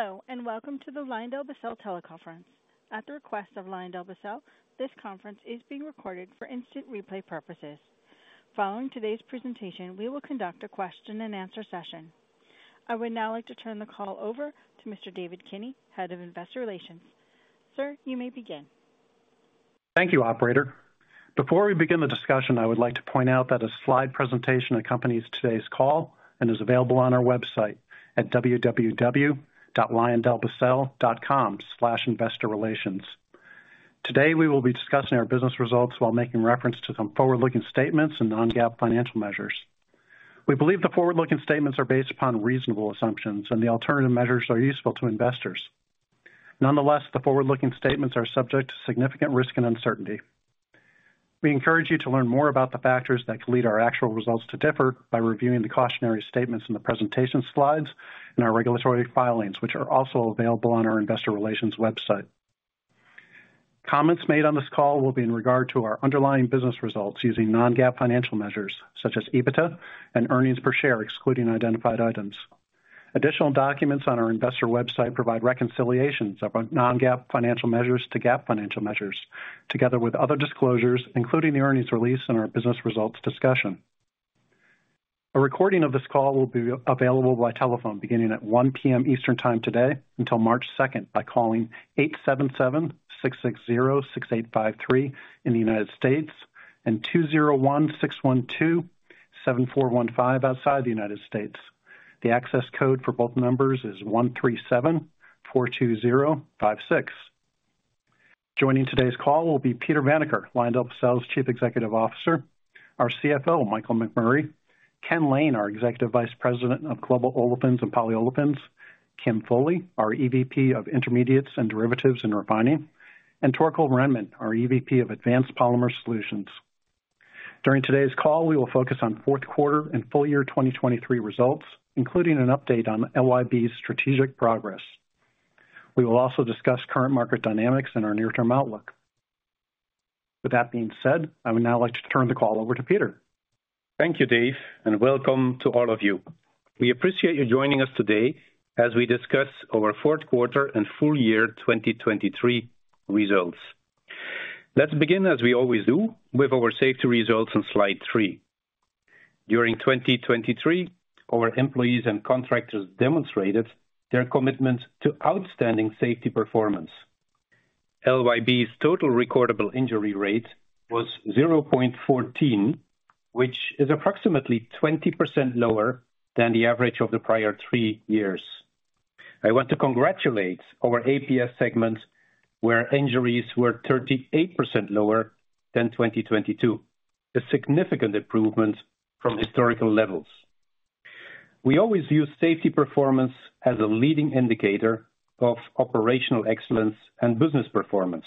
Hello, and welcome to the LyondellBasell teleconference. At the request of LyondellBasell, this conference is being recorded for instant replay purposes. Following today's presentation, we will conduct a question-and-answer session. I would now like to turn the call over to Mr. David Kinney, Head of Investor Relations. Sir, you may begin. Thank you, Operator. Before we begin the discussion, I would like to point out that a slide presentation accompanies today's call and is available on our website at www.lyondellbasell.com/investorrelations. Today, we will be discussing our business results while making reference to some forward-looking statements and non-GAAP financial measures. We believe the forward-looking statements are based upon reasonable assumptions and the alternative measures are useful to investors. Nonetheless, the forward-looking statements are subject to significant risk and uncertainty. We encourage you to learn more about the factors that could lead our actual results to differ by reviewing the cautionary statements in the presentation slides and our regulatory filings, which are also available on our investor relations website. Comments made on this call will be in regard to our underlying business results using non-GAAP financial measures such as EBITDA and earnings per share, excluding identified items. Additional documents on our investor website provide reconciliations of non-GAAP financial measures to GAAP financial measures, together with other disclosures, including the earnings release and our business results discussion. A recording of this call will be available by telephone beginning at 1:00 P.M. Eastern Time today until March 2nd, by calling 877-660-6853 in the United States and 201-612-7415 outside the United States. The access code for both numbers is 13742056. Joining today's call will be Peter Vanacker, LyondellBasell's Chief Executive Officer, our CFO, Michael McMurray, Ken Lane, our Executive Vice President of Global Olefins and Polyolefins, Kim Foley, our EVP of Intermediates and Derivatives and Refining, and Torkel Rhenman, our EVP of Advanced Polymer Solutions. During today's call, we will focus on fourth quarter and full-year 2023 results, including an update on LYB's strategic progress. We will also discuss current market dynamics and our near-term outlook. With that being said, I would now like to turn the call over to Peter. Thank you, Dave, and welcome to all of you. We appreciate you joining us today as we discuss our fourth quarter and full-year 2023 results. Let's begin, as we always do, with our safety results on slide three. During 2023, our employees and contractors demonstrated their commitment to outstanding safety performance. LYB's total recordable injury rate was 0.14, which is approximately 20% lower than the average of the prior three years. I want to congratulate our APS segment, where injuries were 38% lower than 2022, a significant improvement from historical levels. We always view safety performance as a leading indicator of operational excellence and business performance,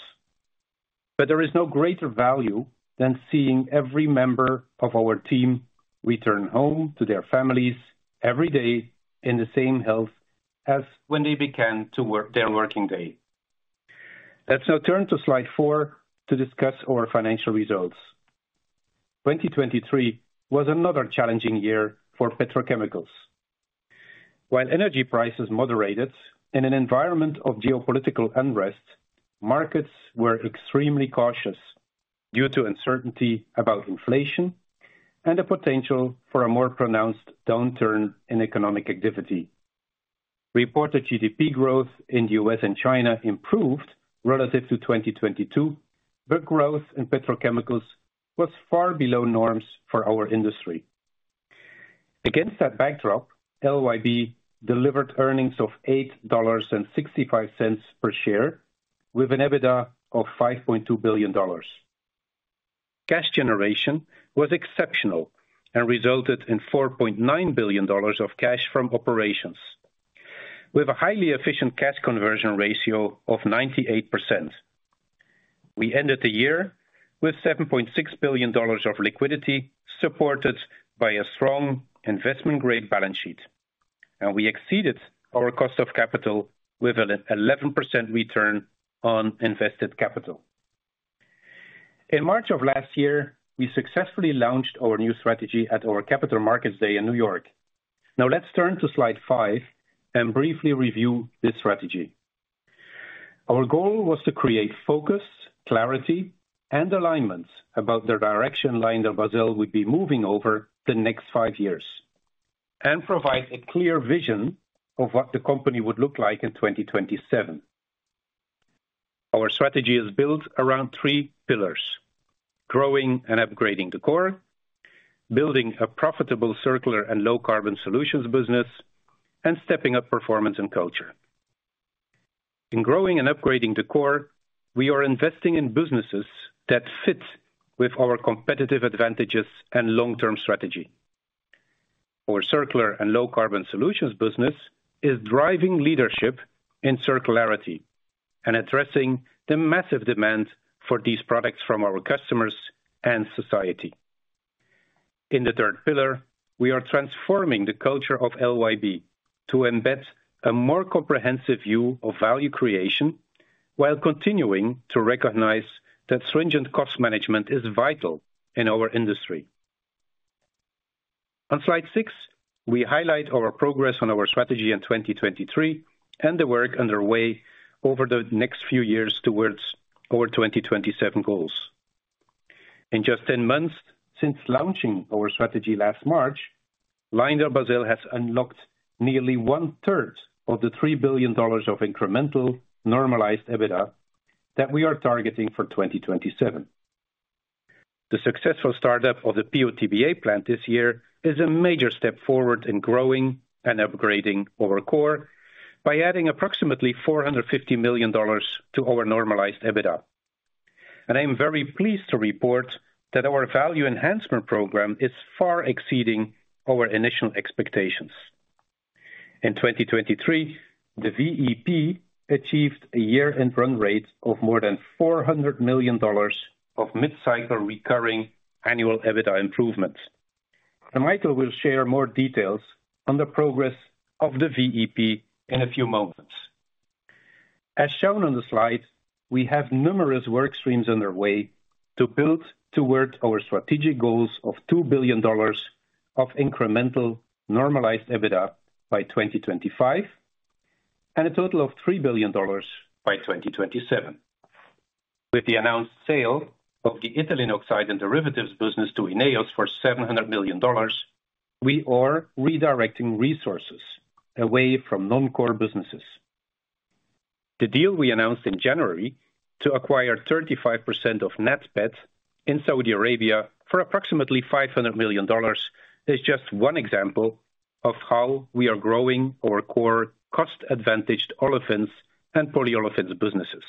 but there is no greater value than seeing every member of our team return home to their families every day in the same health as when they began to work their working day. Let's now turn to slide four to discuss our financial results. 2023 was another challenging year for petrochemicals. While energy prices moderated in an environment of geopolitical unrest, markets were extremely cautious due to uncertainty about inflation and the potential for a more pronounced downturn in economic activity. Reported GDP growth in the U.S. and China improved relative to 2022, but growth in petrochemicals was far below norms for our industry. Against that backdrop, LYB delivered earnings of $8.65 per share, with an EBITDA of $5.2 billion. Cash generation was exceptional and resulted in $4.9 billion of cash from operations, with a highly efficient cash conversion ratio of 98%. We ended the year with $7.6 billion of liquidity, supported by a strong investment-grade balance sheet, and we exceeded our cost of capital with an 11% return on invested capital. In March of last year, we successfully launched our new strategy at our Capital Markets Day in New York. Now, let's turn to slide five and briefly review this strategy. Our goal was to create focus, clarity, and alignment about the direction LyondellBasell would be moving over the next five years and provide a clear vision of what the company would look like in 2027. Our strategy is built around three pillars: growing and upgrading the core, building a profitable, circular and low-carbon solutions business, and stepping up performance and culture. In growing and upgrading the core, we are investing in businesses that fit with our competitive advantages and long-term strategy. Our circular and low-carbon solutions business is driving leadership in circularity and addressing the massive demand for these products from our customers and society. In the third pillar, we are transforming the culture of LYB to embed a more comprehensive view of value creation while continuing to recognize that stringent cost management is vital in our industry. On slide six, we highlight our progress on our strategy in 2023 and the work underway over the next few years towards our 2027 goals. In just 10 months since launching our strategy last March, LyondellBasell has unlocked nearly 1/3 of the $3 billion of incremental normalized EBITDA that we are targeting for 2027. The successful startup of the PO/TBA plant this year is a major step forward in growing and upgrading our core by adding approximately $450 million to our normalized EBITDA. I am very pleased to report that our value enhancement program is far exceeding our initial expectations. In 2023, the VEP achieved a year-end run rate of more than $400 million of mid-cycle recurring annual EBITDA improvements. Michael will share more details on the progress of the VEP in a few moments. As shown on the slide, we have numerous work streams underway to build towards our strategic goals of $2 billion of incremental normalized EBITDA by 2025, and a total of $3 billion by 2027. With the announced sale of the ethylene oxide and derivatives business to INEOS for $700 million, we are redirecting resources away from non-core businesses. The deal we announced in January to acquire 35% of NATPET in Saudi Arabia for approximately $500 million is just one example of how we are growing our core cost-advantaged olefins and polyolefins businesses.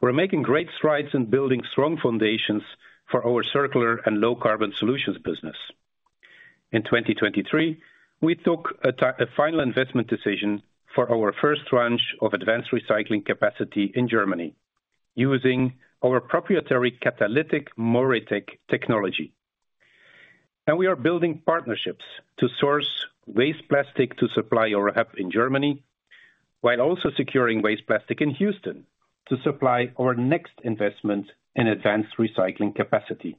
We're making great strides in building strong foundations for our circular and low-carbon solutions business. In 2023, we took a final investment decision for our first tranche of advanced recycling capacity in Germany, using our proprietary catalytic MoReTec technology. And we are building partnerships to source waste plastic to supply our hub in Germany, while also securing waste plastic in Houston to supply our next investment in advanced recycling capacity.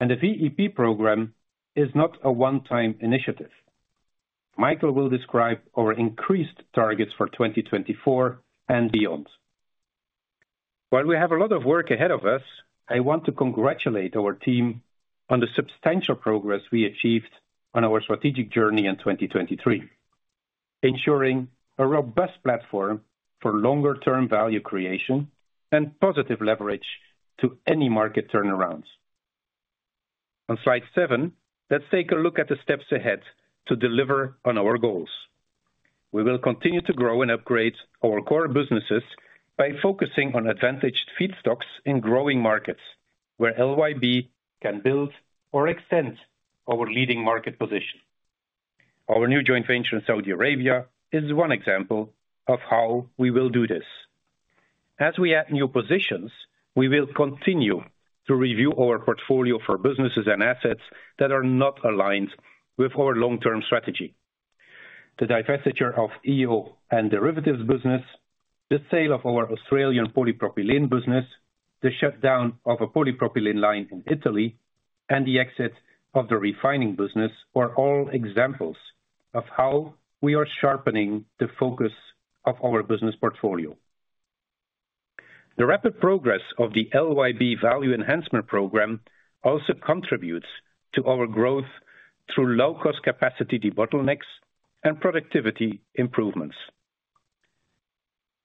And the VEP program is not a one-time initiative. Michael will describe our increased targets for 2024 and beyond. While we have a lot of work ahead of us, I want to congratulate our team on the substantial progress we achieved on our strategic journey in 2023, ensuring a robust platform for longer-term value creation and positive leverage to any market turnarounds. On slide seven, let's take a look at the steps ahead to deliver on our goals. We will continue to grow and upgrade our core businesses by focusing on advantaged feedstocks in growing markets, where LYB can build or extend our leading market position. Our new joint venture in Saudi Arabia is one example of how we will do this. As we add new positions, we will continue to review our portfolio for businesses and assets that are not aligned with our long-term strategy. The divestiture of EO and Derivatives business, the sale of our Australian polypropylene business, the shutdown of a polypropylene line in Italy, and the exit of the refining business, are all examples of how we are sharpening the focus of our business portfolio. The rapid progress of the LYB Value Enhancement Program also contributes to our growth through low-cost capacity, debottlenecks, and productivity improvements.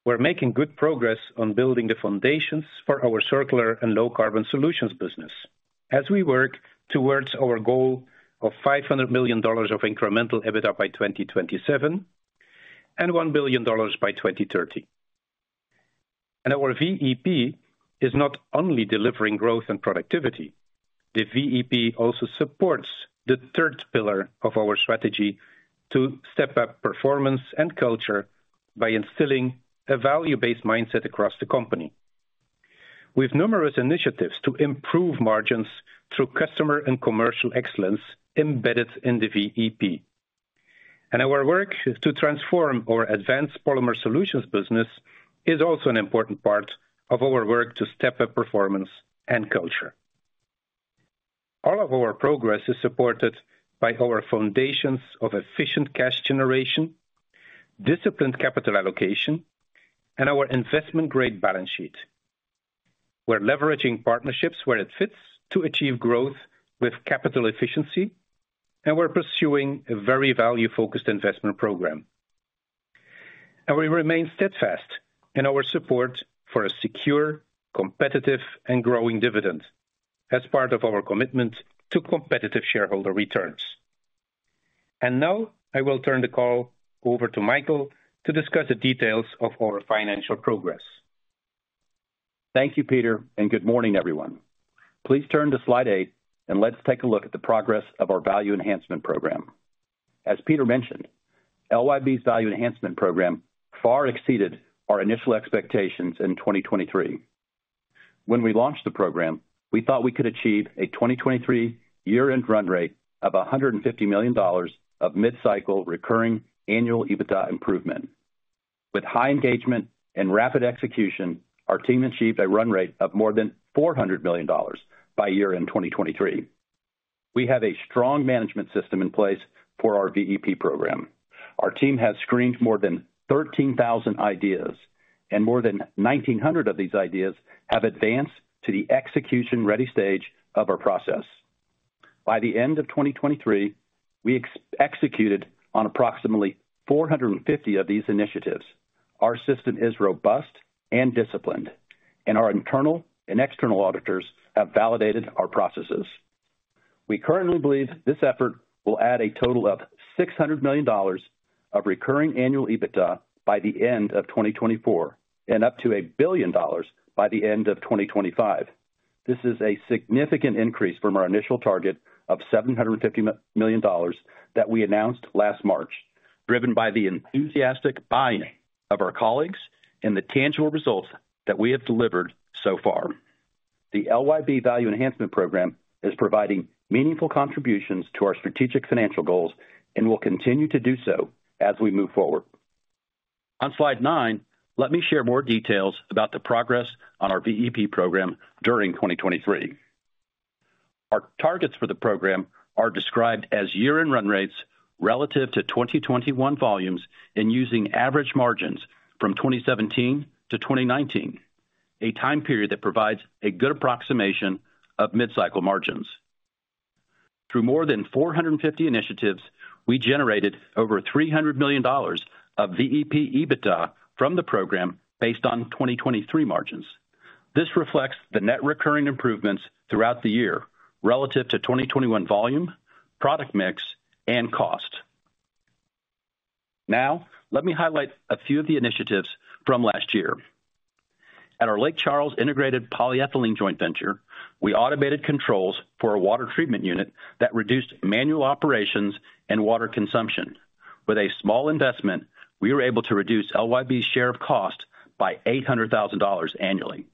We're making good progress on building the foundations for our Circular and Low-Carbon Solutions business, as we work towards our goal of $500 million of incremental EBITDA by 2027, and $1 billion by 2030. Our VEP is not only delivering growth and productivity. The VEP also supports the third pillar of our strategy to step up performance and culture by instilling a value-based mindset across the company, with numerous initiatives to improve margins through customer and commercial excellence embedded in the VEP. Our work to transform our advanced polymer solutions business is also an important part of our work to step up performance and culture. All of our progress is supported by our foundations of efficient cash generation, disciplined capital allocation, and our investment-grade balance sheet. We're leveraging partnerships where it fits to achieve growth with capital efficiency, and we're pursuing a very value-focused investment program. We remain steadfast in our support for a secure, competitive and growing dividend as part of our commitment to competitive shareholder returns. Now, I will turn the call over to Michael to discuss the details of our financial progress. Thank you, Peter, and good morning, everyone. Please turn to slide eight, and let's take a look at the progress of our value enhancement program. As Peter mentioned, LYB's value enhancement program far exceeded our initial expectations in 2023. When we launched the program, we thought we could achieve a 2023 year-end run rate of $150 million of mid-cycle recurring annual EBITDA improvement. With high engagement and rapid execution, our team achieved a run rate of more than $400 million by year-end 2023. We have a strong management system in place for our VEP program. Our team has screened more than 13,000 ideas, and more than 1,900 of these ideas have advanced to the execution-ready stage of our process. By the end of 2023, we executed on approximately 450 of these initiatives. Our system is robust and disciplined, and our internal and external auditors have validated our processes. We currently believe this effort will add a total of $600 million of recurring annual EBITDA by the end of 2024 and up to $1 billion by the end of 2025. This is a significant increase from our initial target of $750 million that we announced last March, driven by the enthusiastic buy-in of our colleagues and the tangible results that we have delivered so far. The LYB Value Enhancement Program is providing meaningful contributions to our strategic financial goals and will continue to do so as we move forward. On slide nine, let me share more details about the progress on our VEP program during 2023. Our targets for the program are described as year-end run rates relative to 2021 volumes and using average margins from 2017 to 2019, a time period that provides a good approximation of mid-cycle margins. Through more than 450 initiatives, we generated over $300 million of VEP EBITDA from the program based on 2023 margins. This reflects the net recurring improvements throughout the year relative to 2021 volume, product mix, and cost. Now, let me highlight a few of the initiatives from last year. At our Lake Charles integrated polyethylene joint venture, we automated controls for a water treatment unit that reduced manual operations and water consumption. With a small investment, we were able to reduce LYB's share of cost by $800,000 annually.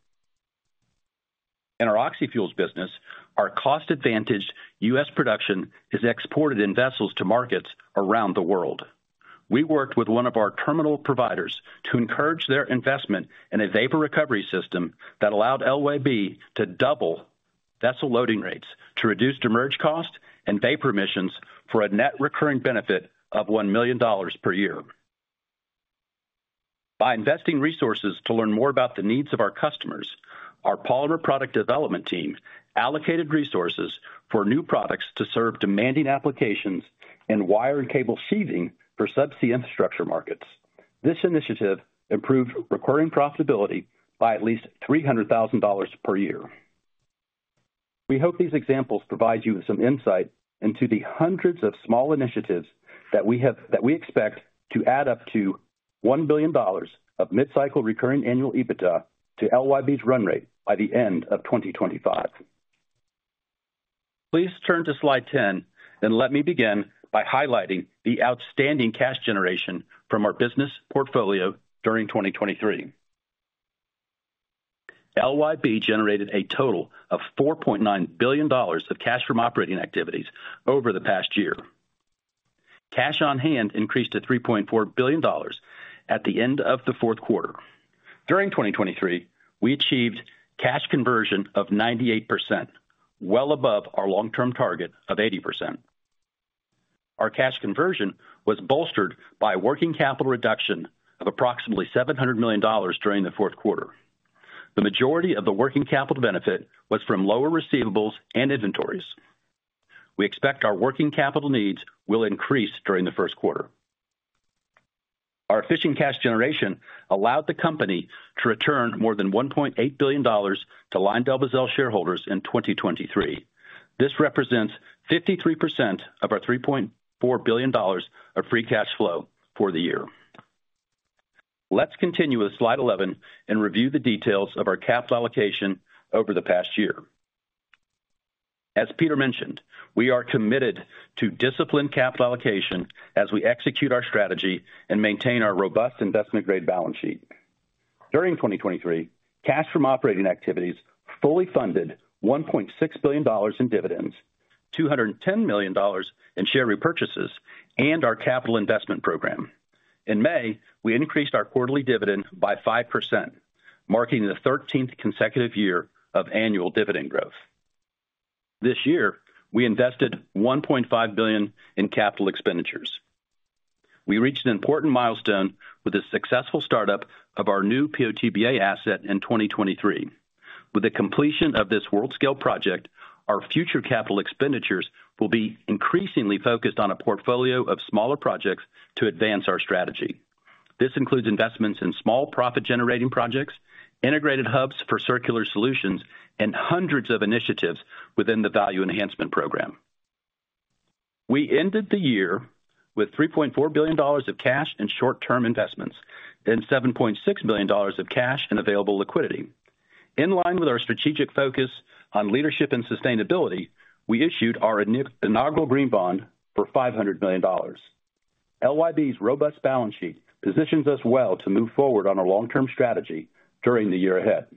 In our oxyfuels business, our cost-advantaged U.S. production is exported in vessels to markets around the world. We worked with one of our terminal providers to encourage their investment in a vapor recovery system that allowed LYB to double vessel loading rates, to reduce demurrage cost and vapor emissions for a net recurring benefit of $1 million per year. By investing resources to learn more about the needs of our customers, our polymer product development team allocated resources for new products to serve demanding applications and wire and cable sheathing for subsea infrastructure markets. This initiative improved recurring profitability by at least $300,000 per year. We hope these examples provide you with some insight into the hundreds of small initiatives that we expect to add up to $1 billion of mid-cycle recurring annual EBITDA to LYB's run rate by the end of 2025. Please turn to slide 10, and let me begin by highlighting the outstanding cash generation from our business portfolio during 2023. LYB generated a total of $4.9 billion of cash from operating activities over the past year. Cash on hand increased to $3.4 billion at the end of the fourth quarter. During 2023, we achieved cash conversion of 98%, well above our long-term target of 80%. Our cash conversion was bolstered by a working capital reduction of approximately $700 million during the fourth quarter. The majority of the working capital benefit was from lower receivables and inventories. We expect our working capital needs will increase during the first quarter. Our efficient cash generation allowed the company to return more than $1.8 billion to LyondellBasell shareholders in 2023. This represents 53% of our $3.4 billion of free cash flow for the year. Let's continue with slide 11 and review the details of our capital allocation over the past year. As Peter mentioned, we are committed to disciplined capital allocation as we execute our strategy and maintain our robust investment-grade balance sheet. During 2023, cash from operating activities fully funded $1.6 billion in dividends, $210 million in share repurchases, and our capital investment program. In May, we increased our quarterly dividend by 5%, marking the 13th consecutive year of annual dividend growth. This year, we invested $1.5 billion in capital expenditures. We reached an important milestone with the successful startup of our new PO/TBA asset in 2023. With the completion of this world-scale project, our future capital expenditures will be increasingly focused on a portfolio of smaller projects to advance our strategy. This includes investments in small profit-generating projects, integrated hubs for circular solutions, and hundreds of initiatives within the Value Enhancement Program. We ended the year with $3.4 billion of cash and short-term investments and $7.6 billion of cash and available liquidity. In line with our strategic focus on leadership and sustainability, we issued our inaugural green bond for $500 million. LYB's robust balance sheet positions us well to move forward on our long-term strategy during the year ahead.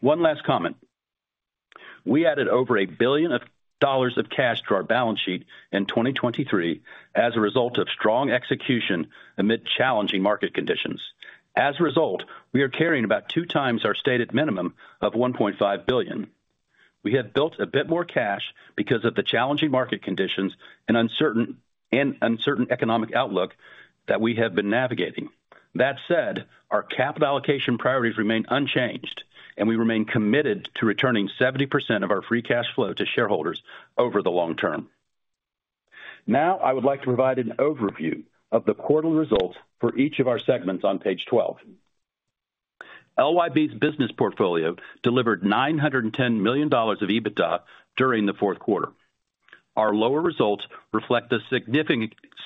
One last comment. We added over $1 billion of cash to our balance sheet in 2023 as a result of strong execution amid challenging market conditions. As a result, we are carrying about two times our stated minimum of $1.5 billion. We have built a bit more cash because of the challenging market conditions and uncertain economic outlook that we have been navigating. That said, our capital allocation priorities remain unchanged, and we remain committed to returning 70% of our free cash flow to shareholders over the long term. Now, I would like to provide an overview of the quarterly results for each of our segments on page 12. LYB's business portfolio delivered $910 million of EBITDA during the fourth quarter. Our lower results reflect the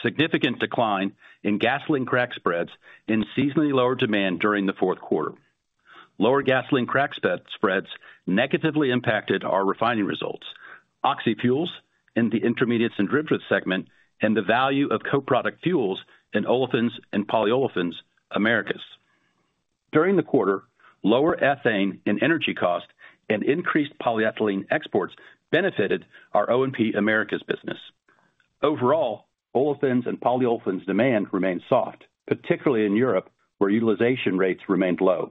significant decline in gasoline crack spreads and seasonally lower demand during the fourth quarter. Lower gasoline crack spreads negatively impacted our refining results, oxyfuels in the intermediates and derivatives segment, and the value of co-product fuels in Olefins and Polyolefins Americas. During the quarter, lower ethane and energy costs and increased polyethylene exports benefited our O&P Americas business. Overall, olefins and polyolefins demand remained soft, particularly in Europe, where utilization rates remained low.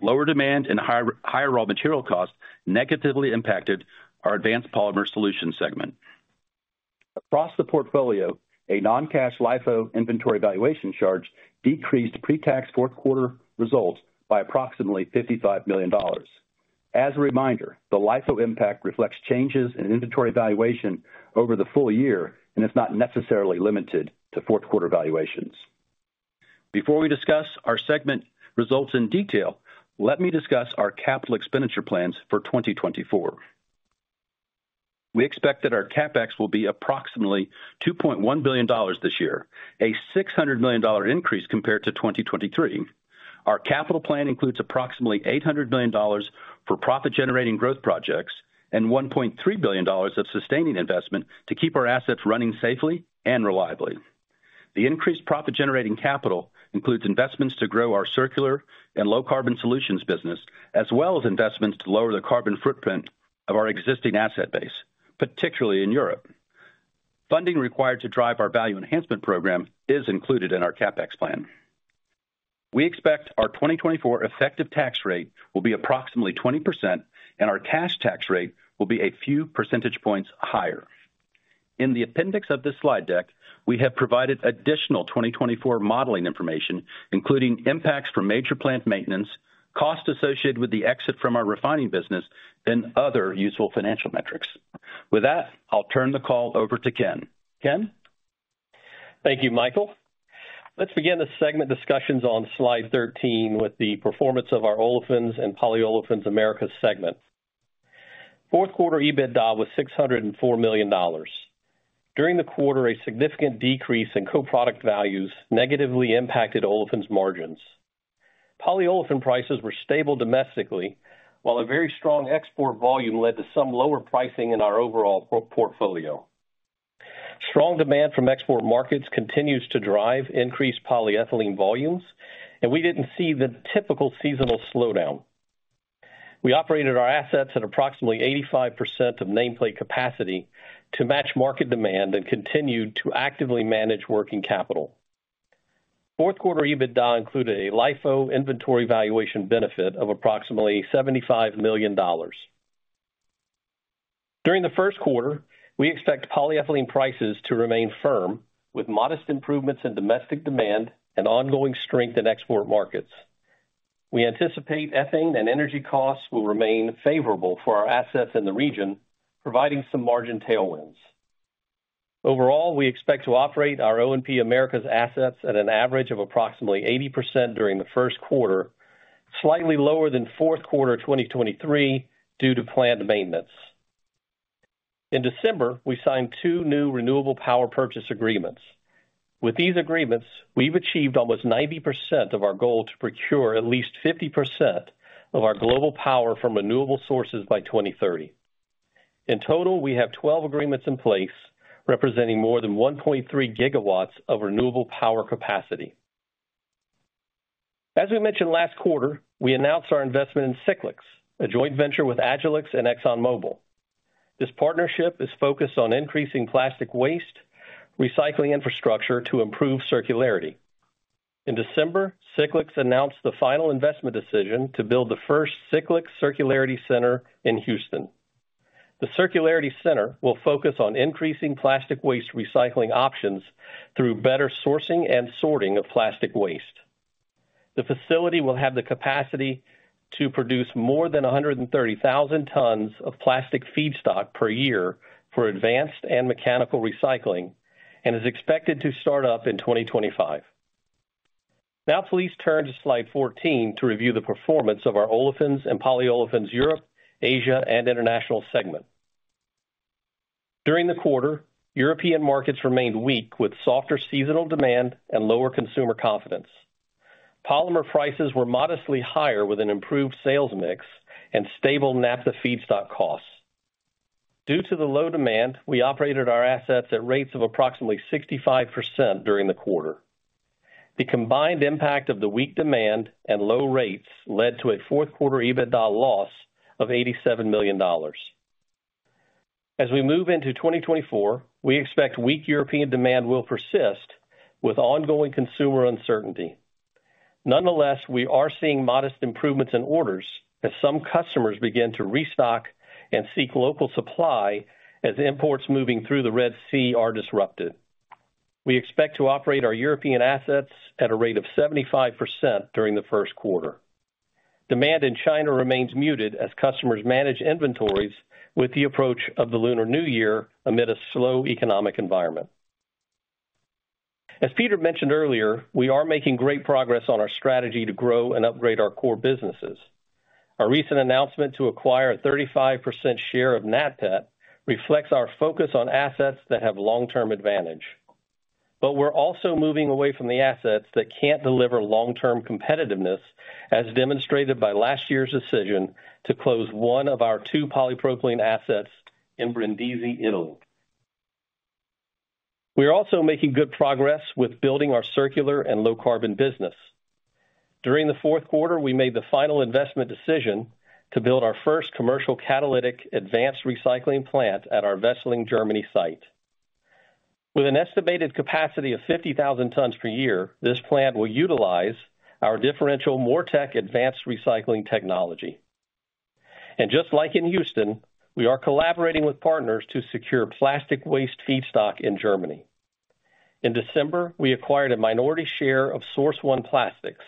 Lower demand and higher raw material costs negatively impacted our advanced polymer solutions segment. Across the portfolio, a non-cash LIFO inventory valuation charge decreased pre-tax fourth quarter results by approximately $55 million. As a reminder, the LIFO impact reflects changes in inventory valuation over the full-year and is not necessarily limited to fourth quarter valuations. Before we discuss our segment results in detail, let me discuss our capital expenditure plans for 2024. We expect that our CapEx will be approximately $2.1 billion this year, a $600 million increase compared to 2023. Our capital plan includes approximately $800 million for profit-generating growth projects and $1.3 billion of sustaining investment to keep our assets running safely and reliably. The increased profit-generating capital includes investments to grow our circular and low carbon solutions business, as well as investments to lower the carbon footprint of our existing asset base, particularly in Europe. Funding required to drive our value enhancement program is included in our CapEx plan. We expect our 2024 effective tax rate will be approximately 20%, and our cash tax rate will be a few percentage points higher. In the appendix of this slide deck, we have provided additional 2024 modeling information, including impacts from major plant maintenance, costs associated with the exit from our refining business, and other useful financial metrics. With that, I'll turn the call over to Ken. Ken? Thank you, Michael. Let's begin the segment discussions on slide 13 with the performance of our Olefins and Polyolefins Americas segment. Fourth quarter EBITDA was $604 million. During the quarter, a significant decrease in co-product values negatively impacted olefins margins. Polyolefin prices were stable domestically, while a very strong export volume led to some lower pricing in our overall portfolio. Strong demand from export markets continues to drive increased polyethylene volumes, and we didn't see the typical seasonal slowdown. We operated our assets at approximately 85% of nameplate capacity to match market demand and continued to actively manage working capital. Fourth quarter EBITDA included a LIFO inventory valuation benefit of approximately $75 million. During the first quarter, we expect polyethylene prices to remain firm, with modest improvements in domestic demand and ongoing strength in export markets. We anticipate ethane and energy costs will remain favorable for our assets in the region, providing some margin tailwinds. Overall, we expect to operate our O&P Americas assets at an average of approximately 80% during the first quarter, slightly lower than fourth quarter 2023 due to planned maintenance. In December, we signed new renewable power purchase agreements. With these agreements, we've achieved almost 90% of our goal to procure at least 50% of our global power from renewable sources by 2030. In total, we have 12 agreements in place representing more than 1.3 GW of renewable power capacity. As we mentioned last quarter, we announced our investment in Cyclyx, a joint venture with Agilyx and ExxonMobil. This partnership is focused on increasing plastic waste recycling infrastructure to improve circularity. In December, Cyclyx announced the final investment decision to build the first Cyclyx Circularity Center in Houston. The Circularity Center will focus on increasing plastic waste recycling options through better sourcing and sorting of plastic waste. The facility will have the capacity to produce more than 130,000 tons of plastic feedstock per year for advanced and mechanical recycling and is expected to start up in 2025. Now, please turn to slide 14 to review the performance of our Olefins and Polyolefins Europe, Asia, and International segment. During the quarter, European markets remained weak, with softer seasonal demand and lower consumer confidence. Polymer prices were modestly higher, with an improved sales mix and stable naphtha feedstock costs. Due to the low demand, we operated our assets at rates of approximately 65% during the quarter. The combined impact of the weak demand and low rates led to a fourth quarter EBITDA loss of $87 million. As we move into 2024, we expect weak European demand will persist with ongoing consumer uncertainty. Nonetheless, we are seeing modest improvements in orders as some customers begin to restock and seek local supply as imports moving through the Red Sea are disrupted. We expect to operate our European assets at a rate of 75% during the first quarter. Demand in China remains muted as customers manage inventories with the approach of the Lunar New Year amid a slow economic environment. As Peter mentioned earlier, we are making great progress on our strategy to grow and upgrade our core businesses. Our recent announcement to acquire a 35% share of NATPET reflects our focus on assets that have long-term advantage. But we're also moving away from the assets that can't deliver long-term competitiveness, as demonstrated by last year's decision to close one of our two polypropylene assets in Brindisi, Italy. We are also making good progress with building our circular and low carbon business. During the fourth quarter, we made the final investment decision to build our first commercial catalytic advanced recycling plant at our Wesseling, Germany site. With an estimated capacity of 50,000 tons per year, this plant will utilize our differential MoReTec advanced recycling technology. And just like in Houston, we are collaborating with partners to secure plastic waste feedstock in Germany. In December, we acquired a minority share of Source One Plastics,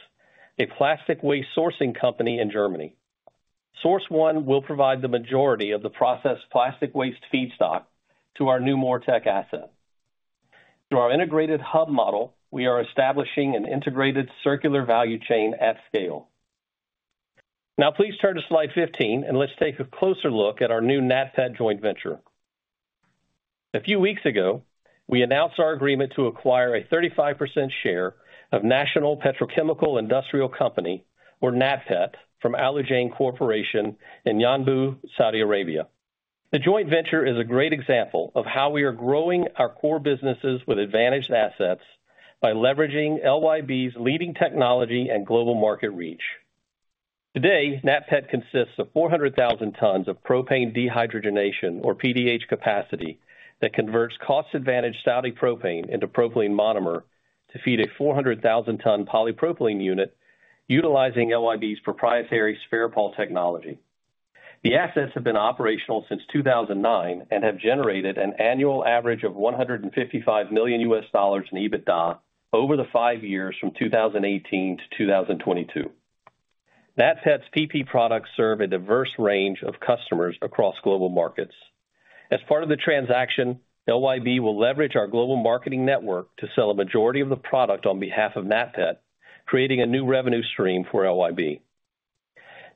a plastic waste sourcing company in Germany. Source One will provide the majority of the processed plastic waste feedstock to our new MoReTec asset. Through our integrated hub model, we are establishing an integrated circular value chain at scale. Now please turn to slide 15, and let's take a closer look at our new NATPET joint venture. A few weeks ago, we announced our agreement to acquire a 35% share of National Petrochemical Industrial Company, or NATPET, from Alujain Corporation in Yanbu, Saudi Arabia. The joint venture is a great example of how we are growing our core businesses with advantaged assets by leveraging LYB's leading technology and global market reach. Today, NATPET consists of 400,000 tons of Propane Dehydrogenation, or PDH, capacity that converts cost-advantaged Saudi propane into propylene monomer to feed a 400,000-ton polypropylene unit utilizing LYB's proprietary Spheripol technology. The assets have been operational since 2009 and have generated an annual average of $155 million in EBITDA over the five years from 2018 to 2022. NATPET's PP products serve a diverse range of customers across global markets. As part of the transaction, LYB will leverage our global marketing network to sell a majority of the product on behalf of NATPET, creating a new revenue stream for LYB.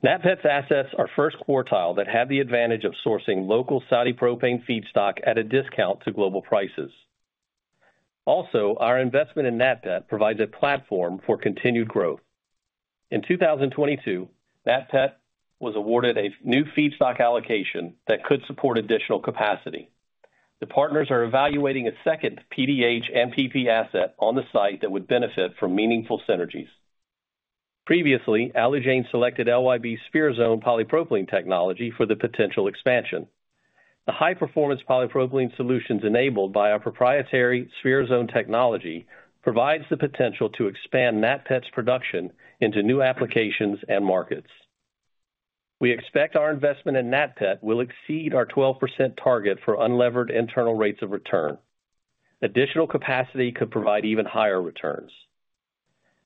NATPET's assets are first quartile that have the advantage of sourcing local Saudi propane feedstock at a discount to global prices. Also, our investment in NATPET provides a platform for continued growth. In 2022, NATPET was awarded a new feedstock allocation that could support additional capacity. The partners are evaluating a second PDH and PP asset on the site that would benefit from meaningful synergies. Previously, Alujain selected LYB Spherizone polypropylene technology for the potential expansion. The high-performance polypropylene solutions enabled by our proprietary Spherizone technology provides the potential to expand NATPET's production into new applications and markets. We expect our investment in NATPET will exceed our 12% target for unlevered internal rates of return. Additional capacity could provide even higher returns.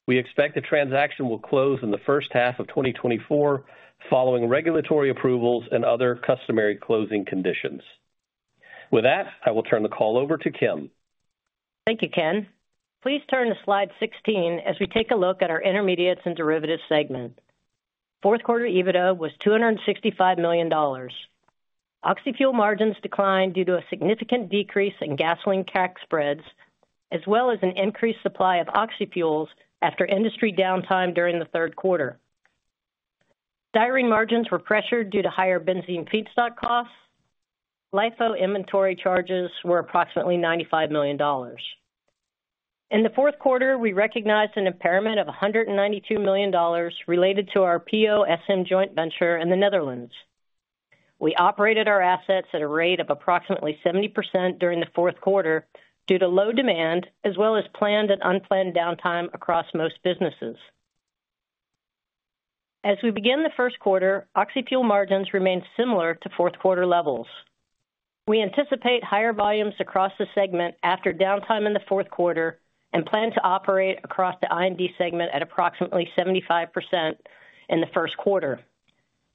We expect the transaction will close in the first half of 2024, following regulatory approvals and other customary closing conditions. With that, I will turn the call over to Kim. Thank you, Ken. Please turn to slide 16 as we take a look at our intermediates and derivatives segment. Fourth quarter EBITDA was $265 million. Oxyfuel margins declined due to a significant decrease in gasoline crack spreads, as well as an increased supply of oxyfuels after industry downtime during the third quarter. Styrene margins were pressured due to higher benzene feedstock costs. LIFO inventory charges were approximately $95 million. In the fourth quarter, we recognized an impairment of $192 million related to our POSM joint venture in the Netherlands. We operated our assets at a rate of approximately 70% during the fourth quarter due to low demand, as well as planned and unplanned downtime across most businesses. As we begin the first quarter, oxyfuel margins remain similar to fourth quarter levels. We anticipate higher volumes across the segment after downtime in the fourth quarter and plan to operate across the I&D segment at approximately 75% in the first quarter.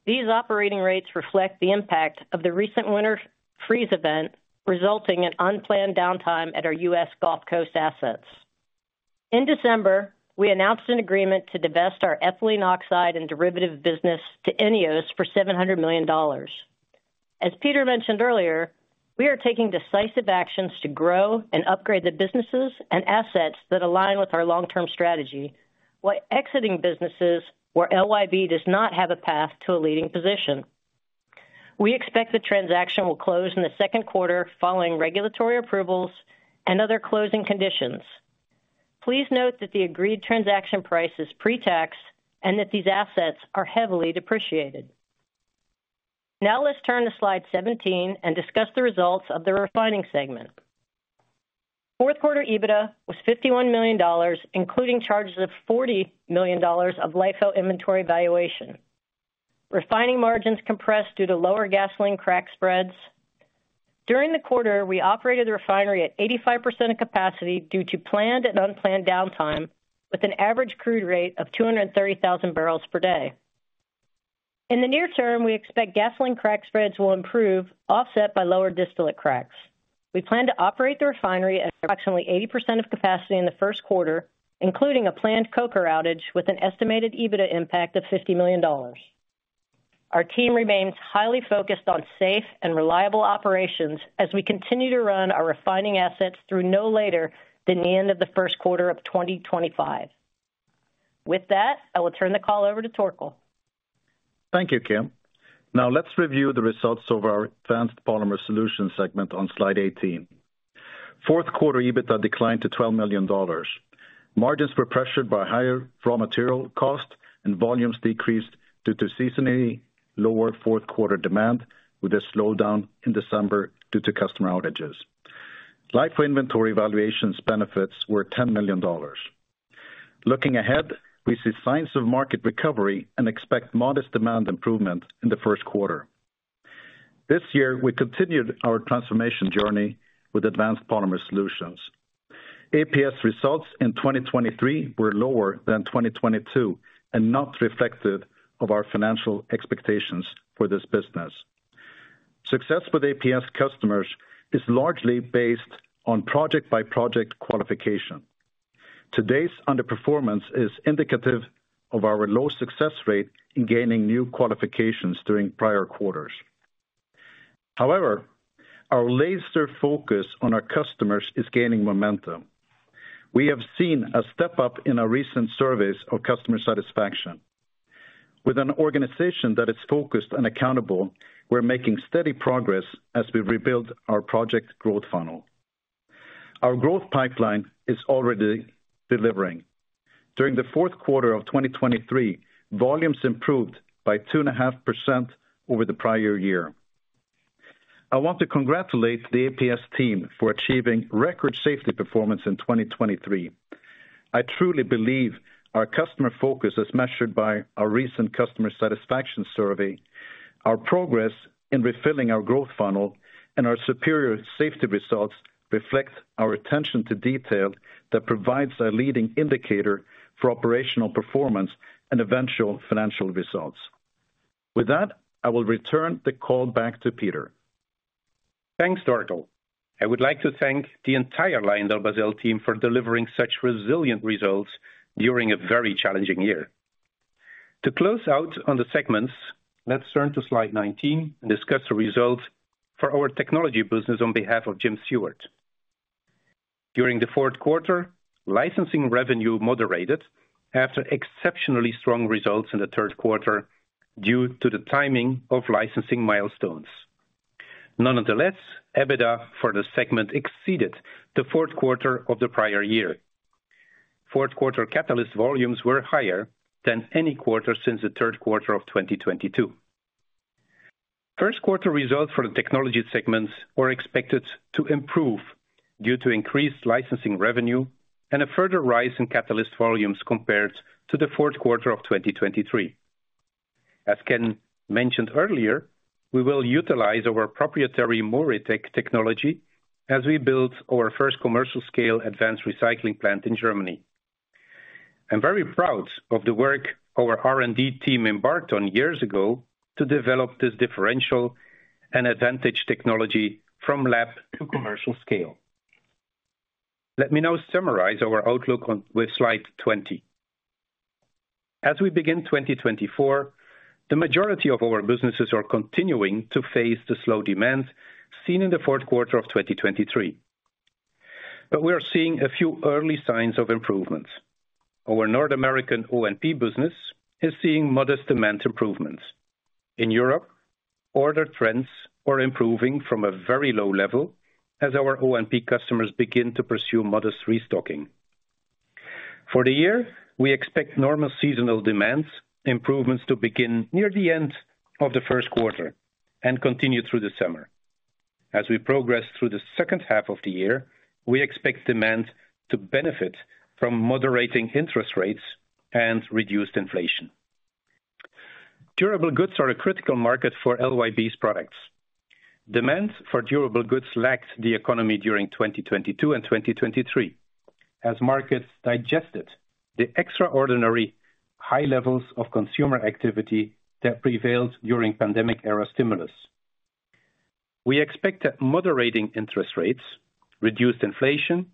These operating rates reflect the impact of the recent winter freeze event, resulting in unplanned downtime at our U.S. Gulf Coast assets. In December, we announced an agreement to divest our ethylene oxide and derivative business to INEOS for $700 million. As Peter mentioned earlier, we are taking decisive actions to grow and upgrade the businesses and assets that align with our long-term strategy, while exiting businesses where LYB does not have a path to a leading position. We expect the transaction will close in the second quarter, following regulatory approvals and other closing conditions. Please note that the agreed transaction price is pre-tax, and that these assets are heavily depreciated. Now let's turn to slide 17 and discuss the results of the refining segment. Fourth quarter EBITDA was $51 million, including charges of $40 million of LIFO inventory valuation. Refining margins compressed due to lower gasoline crack spreads. During the quarter, we operated the refinery at 85% of capacity due to planned and unplanned downtime, with an average crude rate of 230,000 bbl per day. In the near term, we expect gasoline crack spreads will improve, offset by lower distillate cracks. We plan to operate the refinery at approximately 80% of capacity in the first quarter, including a planned coker outage with an estimated EBITDA impact of $50 million. Our team remains highly focused on safe and reliable operations as we continue to run our refining assets through no later than the end of the first quarter of 2025. With that, I will turn the call over to Torkel. Thank you, Kim. Now let's review the results of our Advanced Polymer Solutions segment on slide 18. Fourth quarter EBITDA declined to $12 million. Margins were pressured by higher raw material costs, and volumes decreased due to seasonally lower fourth quarter demand, with a slowdown in December due to customer outages. LIFO inventory valuations benefits were $10 million. Looking ahead, we see signs of market recovery and expect modest demand improvement in the first quarter. This year, we continued our transformation journey with Advanced Polymer Solutions. APS results in 2023 were lower than 2022 and not reflective of our financial expectations for this business. Success with APS customers is largely based on project-by-project qualification. Today's underperformance is indicative of our low success rate in gaining new qualifications during prior quarters. However, our laser focus on our customers is gaining momentum. We have seen a step up in our recent surveys of customer satisfaction. With an organization that is focused and accountable, we're making steady progress as we rebuild our project growth funnel. Our growth pipeline is already delivering. During the fourth quarter of 2023, volumes improved by 2.5% over the prior year. I want to congratulate the APS team for achieving record safety performance in 2023. I truly believe our customer focus, as measured by our recent customer satisfaction survey, our progress in refilling our growth funnel, and our superior safety results, reflect our attention to detail that provides a leading indicator for operational performance and eventual financial results. With that, I will return the call back to Peter. Thanks, Torkel. I would like to thank the entire LyondellBasell team for delivering such resilient results during a very challenging year. To close out on the segments, let's turn to slide 19 and discuss the results for our technology business on behalf of Jim Seward. During the fourth quarter, licensing revenue moderated after exceptionally strong results in the third quarter due to the timing of licensing milestones. Nonetheless, EBITDA for the segment exceeded the fourth quarter of the prior year. Fourth quarter catalyst volumes were higher than any quarter since the third quarter of 2022. First quarter results for the technology segments were expected to improve due to increased licensing revenue and a further rise in catalyst volumes compared to the fourth quarter of 2023. As Ken mentioned earlier, we will utilize our proprietary MoReTec technology as we build our first commercial-scale advanced recycling plant in Germany. I'm very proud of the work our R&D team embarked on years ago to develop this differential and advantage technology from lab to commercial scale. Let me now summarize our outlook on—with slide 20. As we begin 2024, the majority of our businesses are continuing to face the slow demand seen in the fourth quarter of 2023, but we are seeing a few early signs of improvements. Our North American O&P business is seeing modest demand improvements. In Europe, order trends are improving from a very low level as our O&P customers begin to pursue modest restocking. For the year, we expect normal seasonal demands, improvements to begin near the end of the first quarter and continue through the summer. As we progress through the second half of the year, we expect demand to benefit from moderating interest rates and reduced inflation. Durable goods are a critical market for LYB's products. Demand for durable goods lagged the economy during 2022 and 2023, as markets digested the extraordinary high levels of consumer activity that prevailed during pandemic era stimulus. We expect that moderating interest rates, reduced inflation...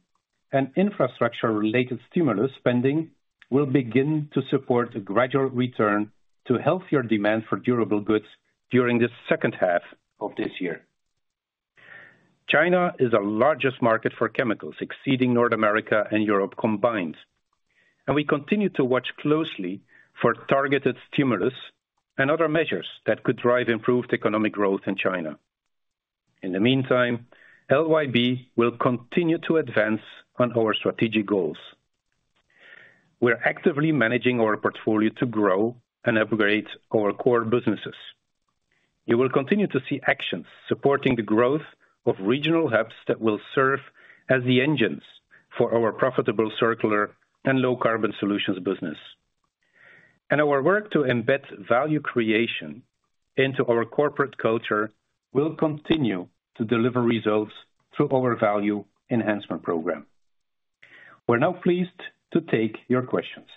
and infrastructure-related stimulus spending will begin to support a gradual return to healthier demand for durable goods during the second half of this year. China is our largest market for chemicals, exceeding North America and Europe combined, and we continue to watch closely for targeted stimulus and other measures that could drive improved economic growth in China. In the meantime, LYB will continue to advance on our strategic goals. We're actively managing our portfolio to grow and upgrade our core businesses. You will continue to see actions supporting the growth of regional hubs that will serve as the engines for our profitable, circular and low carbon solutions business. Our work to embed value creation into our corporate culture will continue to deliver results through our value enhancement program. We're now pleased to take your questions.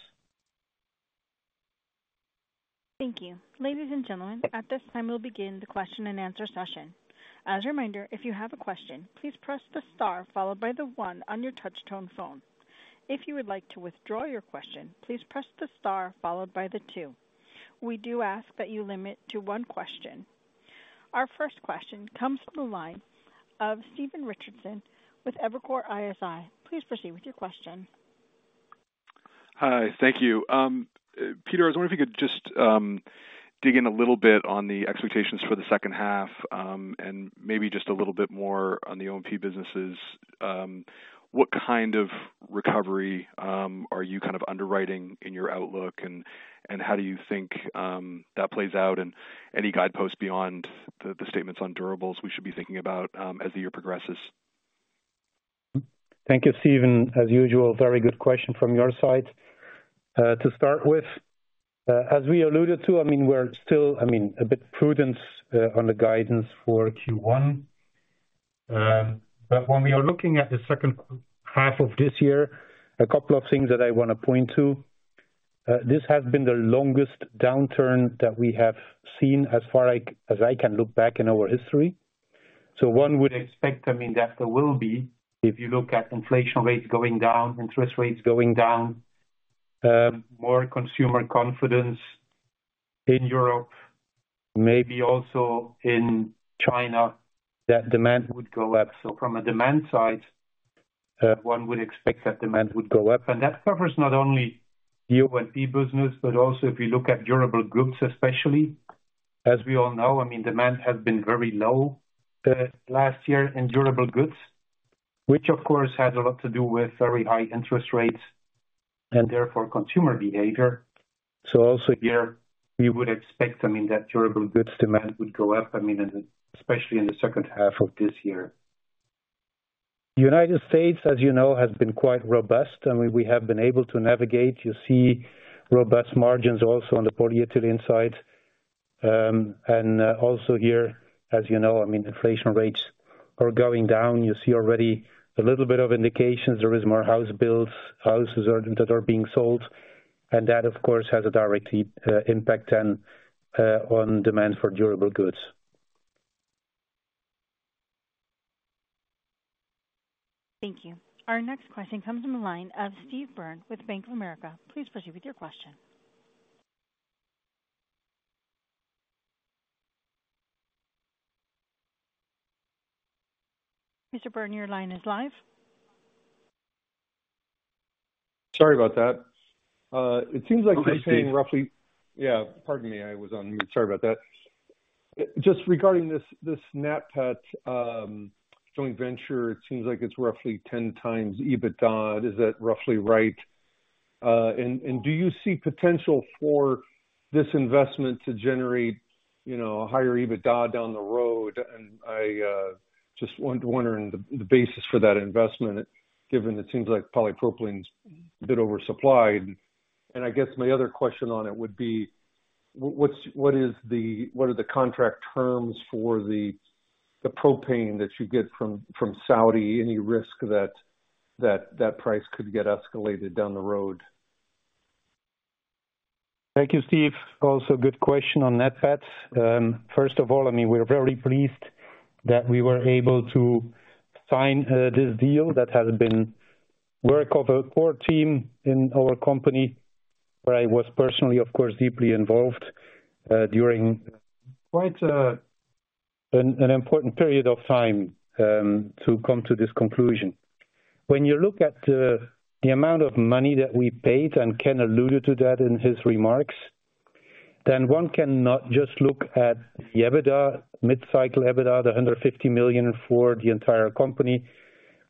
Thank you. Ladies and gentlemen, at this time, we'll begin the question and answer session. As a reminder, if you have a question, please press the star followed by the one on your touchtone phone. If you would like to withdraw your question, please press the star followed by the two. We do ask that you limit to one question. Our first question comes from the line of Stephen Richardson with Evercore ISI. Please proceed with your question. Hi, thank you. Peter, I was wondering if you could just dig in a little bit on the expectations for the second half, and maybe just a little bit more on the O&P businesses. What kind of recovery are you kind of underwriting in your outlook, and how do you think that plays out? Any guideposts beyond the statements on durables we should be thinking about as the year progresses? Thank you, Stephen. As usual, very good question from your side. To start with, as we alluded to, I mean, we're still, I mean, a bit prudent on the guidance for Q1. But when we are looking at the second half of this year, a couple of things that I wanna point to. This has been the longest downturn that we have seen as far as I, as I can look back in our history. So one would expect, I mean, that there will be, if you look at inflation rates going down, interest rates going down, more consumer confidence in Europe, maybe also in China, that demand would go up. So from a demand side, one would expect that demand would go up. And that covers not only the O&P business, but also if you look at durable goods, especially. As we all know, I mean, demand has been very low last year in durable goods, which of course had a lot to do with very high interest rates and therefore consumer behavior. So also here, we would expect, I mean, that durable goods demand would go up, I mean, especially in the second half of this year. United States, as you know, has been quite robust, and we have been able to navigate. You see robust margins also on the polyethylene side. And also here, as you know, I mean, inflation rates are going down. You see already a little bit of indications there is more house builds, houses that are being sold, and that, of course, has a direct impact on demand for durable goods. Thank you. Our next question comes from the line of Steve Byrne with Bank of America. Please proceed with your question. Mr. Byrne, your line is live. Sorry about that. It seems like they're paying roughly Okay, Steve. Yeah, pardon me, I was on mute. Sorry about that. Just regarding this NATPET joint venture, it seems like it's roughly 10x EBITDA. Is that roughly right? And do you see potential for this investment to generate, you know, a higher EBITDA down the road? And I just wondering the basis for that investment, given it seems like polypropylene's a bit oversupplied. And I guess my other question on it would be: What are the contract terms for the propane that you get from Saudi? Any risk that that price could get escalated down the road? Thank you, Steve. Also, good question on NATPET. First of all, I mean, we're very pleased that we were able to sign this deal that has been work of a core team in our company, where I was personally, of course, deeply involved during quite an important period of time to come to this conclusion. When you look at the amount of money that we paid, and Ken alluded to that in his remarks, then one cannot just look at the EBITDA, mid-cycle EBITDA, the $150 million for the entire company.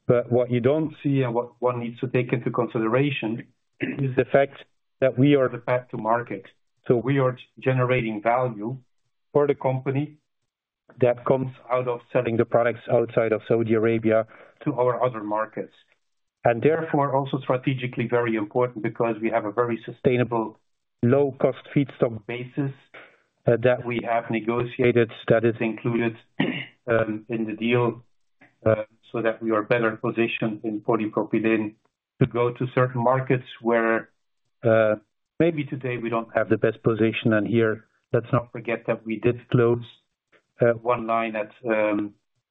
But what you don't see and what one needs to take into consideration is the fact that we are the path to market. So we are generating value for the company that comes out of selling the products outside of Saudi Arabia to our other markets. And therefore, also strategically very important because we have a very sustainable, low-cost feedstock basis, that we have negotiated, that is included, in the deal, so that we are better positioned in polypropylene to go to certain markets where, maybe today we don't have the best position. And here, let's not forget that we did close one line at,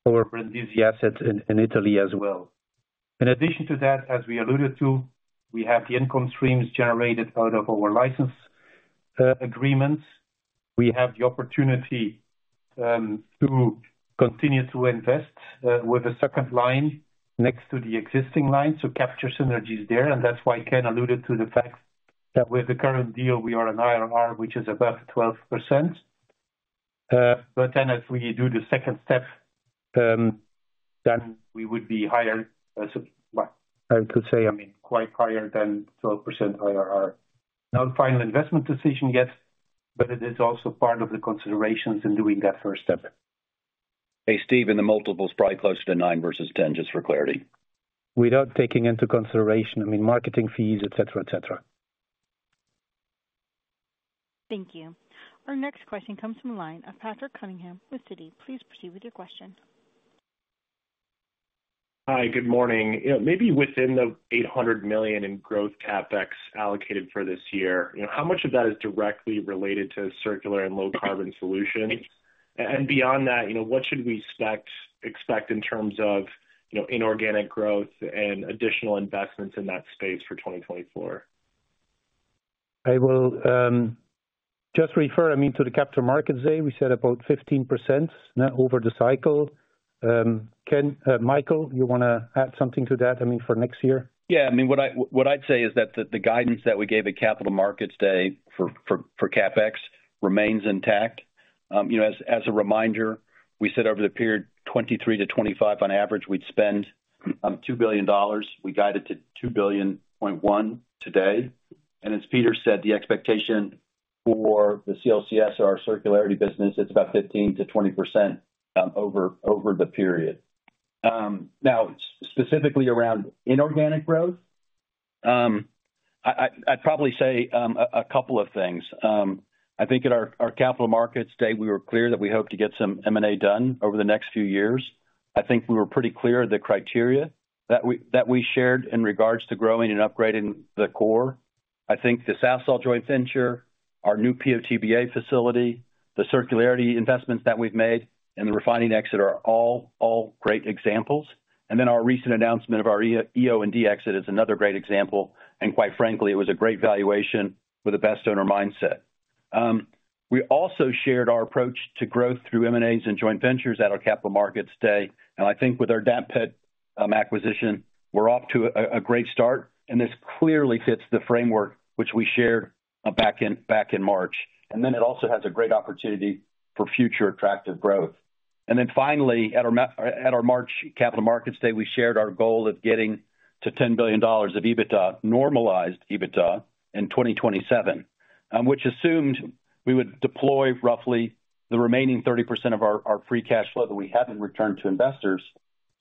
our Brindisi asset in Italy as well. In addition to that, as we alluded to, we have the income streams generated out of our license agreements. We have the opportunity, to continue to invest, with a second line next to the existing line, so capture synergies there, and that's why Ken alluded to the fact that with the current deal, we are an IRR which is above 12%. But then as we do the second step, then we would be higher as well. I could say, I mean, quite higher than 12% IRR. No final investment decision yet, but it is also part of the considerations in doing that first step. Hey, Steve, and the multiple's probably closer to nine versus 10, just for clarity. Without taking into consideration, I mean, marketing fees, etc, etc. Thank you. Our next question comes from the line of Patrick Cunningham with Citi. Please proceed with your question. Hi, good morning. You know, maybe within the $800 million in growth CapEx allocated for this year, you know, how much of that is directly related to circular and low carbon solutions? Beyond that, you know, what should we expect in terms of, you know, inorganic growth and additional investments in that space for 2024? I will just refer, I mean, to the Capital Markets Day. We said about 15% over the cycle. Ken, Michael, you wanna add something to that, I mean, for next year? Yeah. I mean, what I'd say is that the guidance that we gave at Capital Markets Day for CapEx remains intact. You know, as a reminder, we said over the period 2023 to 2025, on average, we'd spend $2 billion. We guided to $2.1 billion today. And as Peter said, the expectation for the CLCS or our circularity business, it's about 15%-20% over the period. Now, specifically around inorganic growth, I'd probably say a couple of things. I think at our Capital Markets Day, we were clear that we hope to get some M&A done over the next few years. I think we were pretty clear the criteria that we shared in regards to growing and upgrading the core. I think the Sasol joint venture, our new PO/TBA facility, the circularity investments that we've made, and the refining exit are all great examples. Then our recent announcement of our EO and D exit is another great example, and quite frankly, it was a great valuation with the best owner mindset. We also shared our approach to growth through M&As and joint ventures at our Capital Markets Day, and I think with our NATPET acquisition, we're off to a great start, and this clearly fits the framework which we shared back in March. Then it also has a great opportunity for future attractive growth. And then finally, at our March Capital Markets Day, we shared our goal of getting to $10 billion of EBITDA, normalized EBITDA, in 2027, which assumed we would deploy roughly the remaining 30% of our free cash flow that we haven't returned to investors,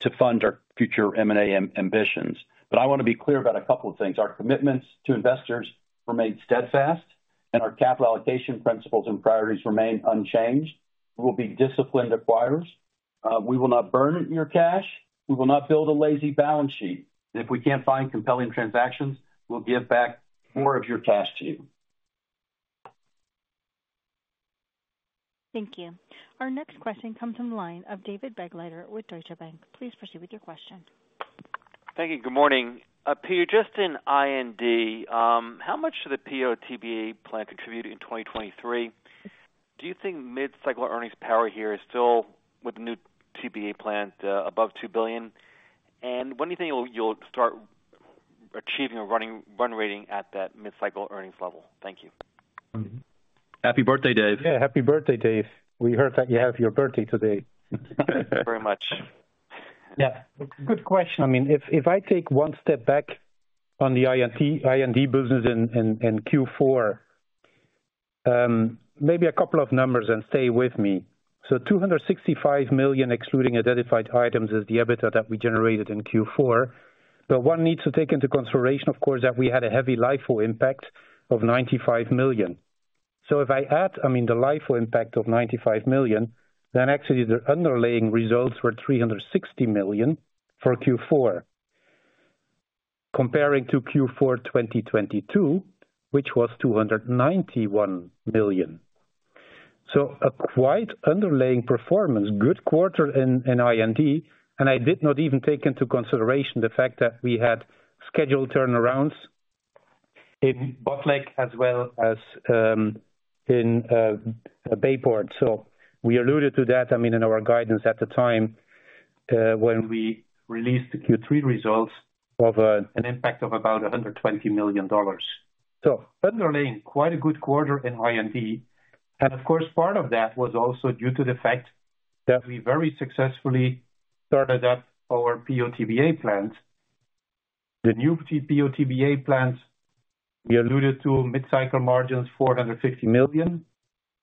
to fund our future M&A ambitions. But I wanna be clear about a couple of things. Our commitments to investors remain steadfast, and our capital allocation principles and priorities remain unchanged. We'll be disciplined acquirers. We will not burn your cash. We will not build a lazy balance sheet. If we can't find compelling transactions, we'll give back more of your cash to you. Thank you. Our next question comes from the line of David Begleiter with Deutsche Bank. Please proceed with your question. Thank you. Good morning. Peter, just in I&D, how much did the PO/TBA plant contribute in 2023? Do you think mid-cycle earnings power here is still with the new TBA plant above $2 billion? And when do you think you'll start achieving a run rate at that mid-cycle earnings level? Thank you. Happy birthday, Dave. Yeah, happy birthday, Dave. We heard that you have your birthday today. Thank you very much. Yeah, good question. I mean, if I take one step back on the I&D business in Q4, maybe a couple of numbers and stay with me. So $265 million, excluding identified items, is the EBITDA that we generated in Q4. But one needs to take into consideration, of course, that we had a heavy LIFO impact of $95 million. So if I add, I mean, the LIFO impact of $95 million, then actually the underlying results were $360 million for Q4, comparing to Q4 2022, which was $291 million. So a quite underlying performance, good quarter in I&D, and I did not even take into consideration the fact that we had scheduled turnarounds in Botlek as well as in Bayport. So we alluded to that, I mean, in our guidance at the time, when we released the Q3 results of, an impact of about $120 million. So underlying, quite a good quarter in I&D, and of course, part of that was also due to the fact that we very successfully started up our PO/TBA plant. The new PO/TBA plant, we alluded to mid-cycle margins, $450 million.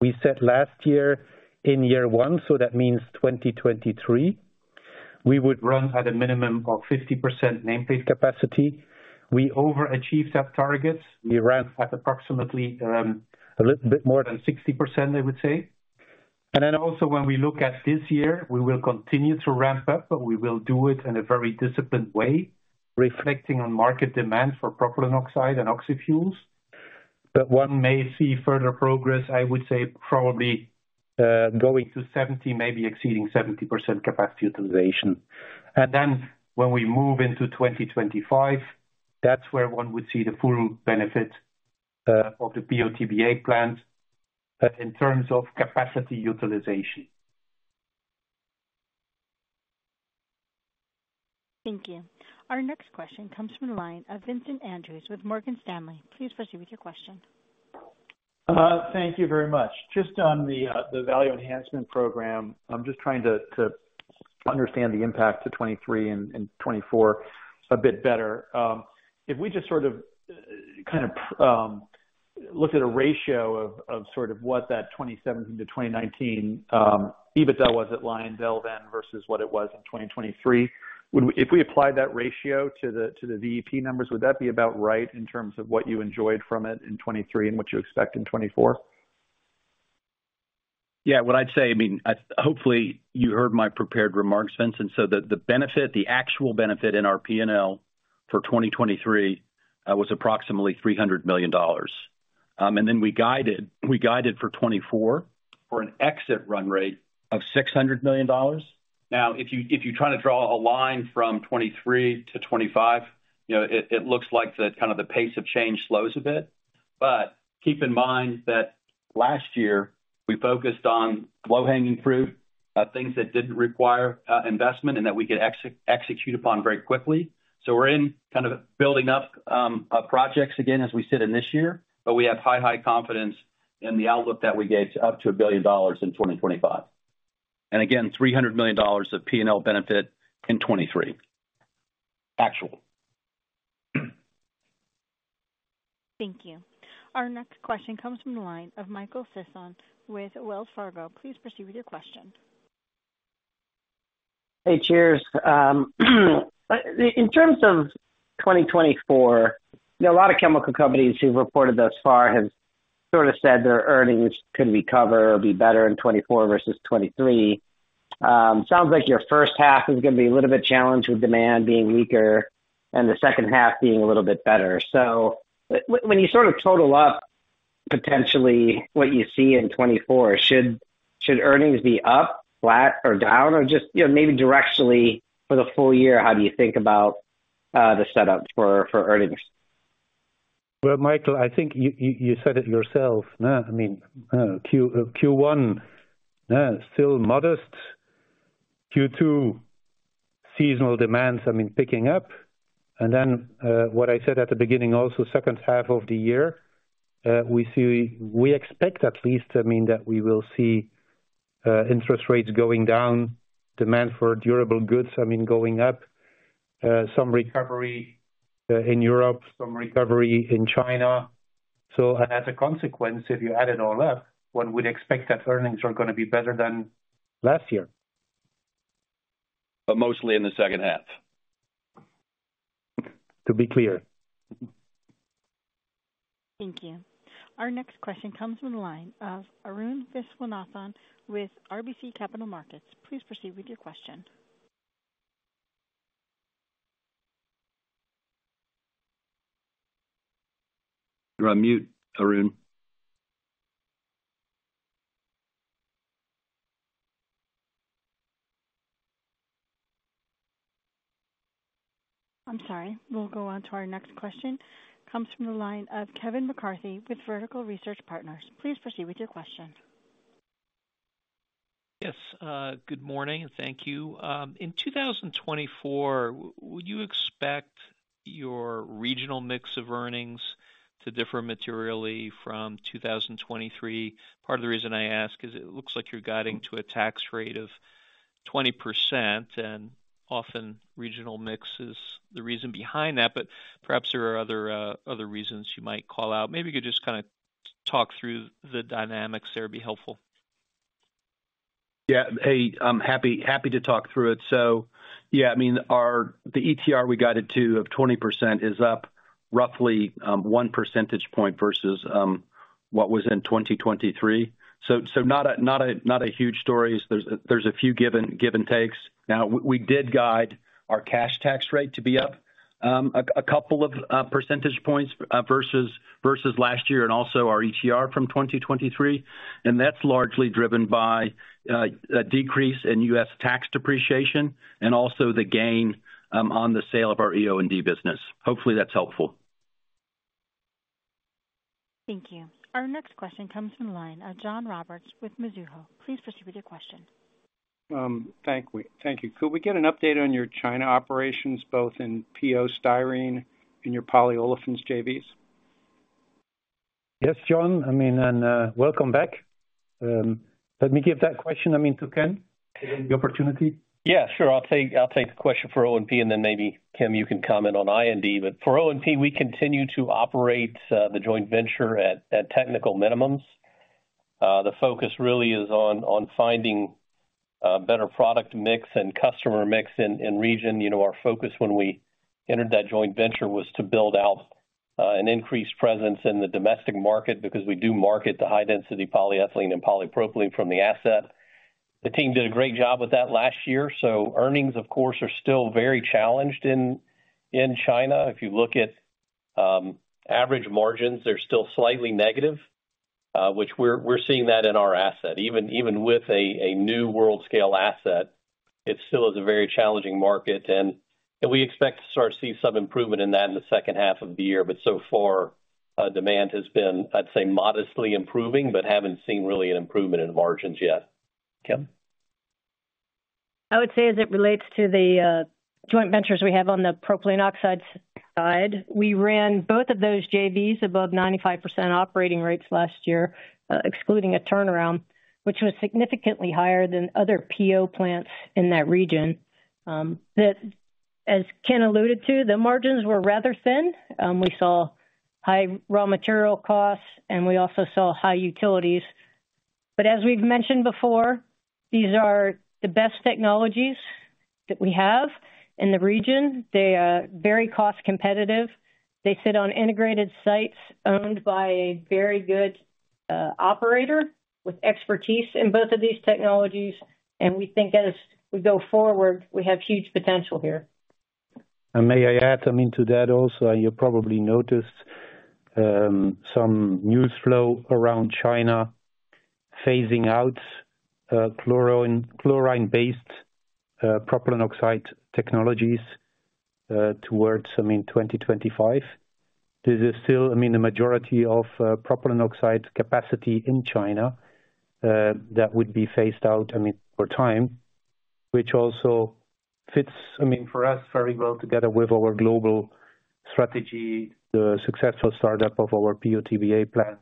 We said last year, in year one, so that means 2023, we would run at a minimum of 50% nameplate capacity. We overachieved that target. We ran at approximately, a little bit more than 60%, I would say. And then also when we look at this year, we will continue to ramp up, but we will do it in a very disciplined way, reflecting on market demand for propylene oxide and oxyfuels. But one may see further progress, I would say probably, going to 70%, maybe exceeding 70% capacity utilization. And then when we move into 2025, that's where one would see the full benefit, of the PO/TBA plant, in terms of capacity utilization. Thank you. Our next question comes from the line of Vincent Andrews with Morgan Stanley. Please proceed with your question. Thank you very much. Just on the, the Value Enhancement Program, I'm just trying to, to understand the impact to 2023 and, and 2024 a bit better. If we just sort of, kind of, look at a ratio of, of sort of what that 2017 to 2019, EBITDA was at Lyondell then versus what it was in 2023, would we—if we applied that ratio to the, to the VEP numbers, would that be about right in terms of what you enjoyed from it in 2023 and what you expect in 2024? Yeah, what I'd say, I mean, hopefully, you heard my prepared remarks, Vincent, so the benefit, the actual benefit in our P&L for 2023 was approximately $300 million. And then we guided for 2024 for an exit run rate of $600 million. Now, if you try to draw a line from 2023 to 2025, you know, it looks like the kind of the pace of change slows a bit. But keep in mind that last year, we focused on low-hanging fruit, things that didn't require investment and that we could execute upon very quickly. So we're kind of building up projects again, as we sit in this year, but we have high confidence in the outlook that we gave to up to $1 billion in 2025. And again, $300 million of P&L benefit in 2023, actual. Thank you. Our next question comes from the line of Michael Sison with Wells Fargo. Please proceed with your question. Hey, cheers. In terms of 2024, you know, a lot of chemical companies who've reported thus far have sort of said their earnings could recover or be better in 2024 versus 2023. Sounds like your first half is gonna be a little bit challenged with demand being weaker and the second half being a little bit better. So when you sort of total up potentially what you see in 2024, should earnings be up, flat, or down? Or just, you know, maybe directionally for the full-year, how do you think about the setup for earnings? Well, Michael, I think you said it yourself. I mean, Q1 still modest. Q2, seasonal demands, I mean, picking up. And then, what I said at the beginning, also, second half of the year, we see. We expect at least, I mean, that we will see, interest rates going down, demand for durable goods, I mean, going up, some recovery in Europe, some recovery in China. So as a consequence, if you add it all up, one would expect that earnings are gonna be better than last year. But mostly in the second half. To be clear. Thank you. Our next question comes from the line of Arun Viswanathan with RBC Capital Markets. Please proceed with your question. You're on mute, Arun. I'm sorry. We'll go on to our next question. Comes from the line of Kevin McCarthy with Vertical Research Partners. Please proceed with your question. Yes, good morning, and thank you. In 2024, would you expect your regional mix of earnings to differ materially from 2023? Part of the reason I ask is it looks like you're guiding to a tax rate of 20%, and often regional mix is the reason behind that, but perhaps there are other, other reasons you might call out. Maybe you could just kinda talk through the dynamics there would be helpful. Yeah. Hey, I'm happy to talk through it. So yeah, I mean, our—the ETR we guided to of 20% is up roughly one percentage point versus what was in 2023. So not a huge story. There's a few give and takes. Now, we did guide our cash tax rate to be up a couple of percentage points versus last year, and also our ETR from 2023, and that's largely driven by a decrease in U.S. tax depreciation and also the gain on the sale of our EO&D business. Hopefully, that's helpful. Thank you. Our next question comes from the line of John Roberts with Mizuho. Please proceed with your question. Thank you. Could we get an update on your China operations, both in PO/Styrene and your polyolefins JVs? Yes, John, I mean, and welcome back. Let me give that question, I mean, to Ken, the opportunity. Yeah, sure. I'll take, I'll take the question for O&P, and then maybe, Kim, you can comment on I&D. But for O&P, we continue to operate the joint venture at technical minimums. The focus really is on finding better product mix and customer mix in region. You know, our focus when we entered that joint venture was to build out an increased presence in the domestic market because we do market the high-density polyethylene and polypropylene from the asset. The team did a great job with that last year. So earnings, of course, are still very challenged in China. If you look at average margins, they're still slightly negative, which we're seeing that in our asset. Even with a new world scale asset, it still is a very challenging market, and we expect to start to see some improvement in that in the second half of the year. But so far, demand has been, I'd say, modestly improving, but haven't seen really an improvement in margins yet. Kim? I would say, as it relates to the, joint ventures we have on the propylene oxide side, we ran both of those JVs above 95% operating rates last year, excluding a turnaround, which was significantly higher than other PO plants in that region. That as Ken alluded to, the margins were rather thin. We saw high raw material costs, and we also saw high utilities. But as we've mentioned before, these are the best technologies that we have in the region. They are very cost competitive. They sit on integrated sites owned by a very good, operator with expertise in both of these technologies, and we think as we go forward, we have huge potential here. May I add something to that also? You probably noticed some news flow around China phasing out chlorine-based propylene oxide technologies towards, I mean, 2025. This is still, I mean, the majority of propylene oxide capacity in China that would be phased out, I mean, over time, which also fits, I mean, for us, very well together with our global strategy, the successful startup of our PO/TBA plant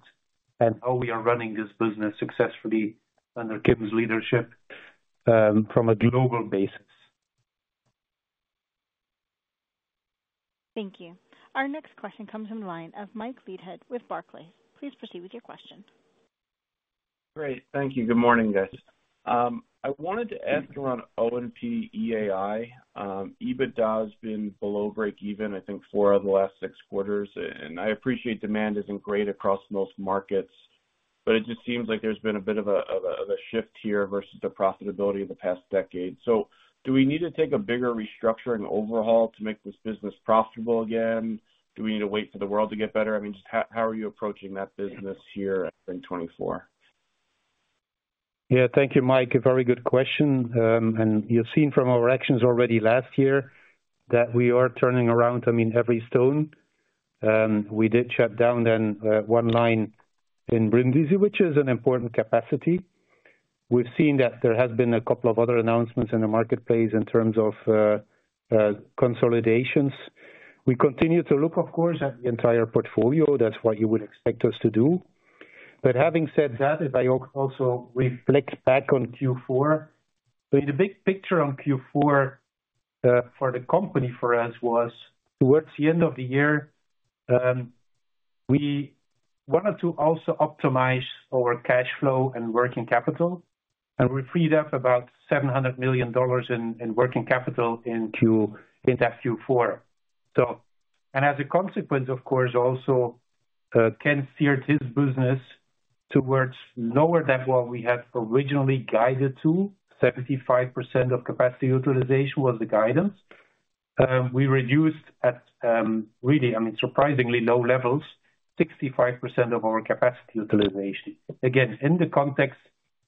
and how we are running this business successfully under Kim's leadership from a global basis. Thank you. Our next question comes from the line of Mike Leithead with Barclays. Please proceed with your question. Great. Thank you. Good morning, guys. I wanted to ask around O&P EAI. EBITDA has been below breakeven, I think, four of the last six quarters, and I appreciate demand isn't great across most markets, but it just seems like there's been a bit of a shift here versus the profitability of the past decade. So do we need to take a bigger restructure and overhaul to make this business profitable again? Do we need to wait for the world to get better? I mean, just how are you approaching that business here in 2024? Yeah. Thank you, Mike. A very good question. And you've seen from our actions already last year that we are turning around, I mean, every stone. We did shut down then one line in Brindisi, which is an important capacity. We've seen that there has been a couple of other announcements in the marketplace in terms of consolidations. We continue to look, of course, at the entire portfolio. That's what you would expect us to do. But having said that, if I also reflect back on Q4, the big picture on Q4 for the company, for us, was towards the end of the year, we wanted to also optimize our cash flow and working capital, and we freed up about $700 million in working capital in that Q4. So And as a consequence, of course, also, Ken steered his business towards lower than what we had originally guided to. 75% of capacity utilization was the guidance. We reduced at, really, I mean, surprisingly low levels, 65% of our capacity utilization. Again, in the context